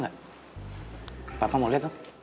hai papa mau lihat